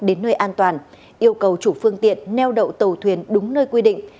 đến nơi an toàn yêu cầu chủ phương tiện neo đậu tàu thuyền đúng nơi quy định